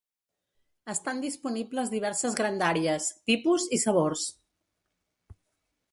Estan disponibles diverses grandàries, tipus i sabors.